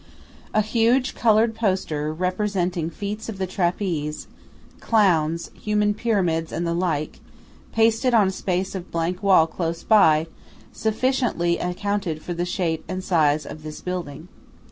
A huge coloured poster, representing feats of the trapeze, clowns, human pyramids and the like, pasted on a space of blank wall close by, sufficiently accounted for the shape and size of this building.